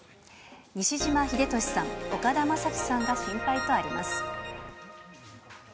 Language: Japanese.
西島秀俊さん、岡田将生さんが心配とあります。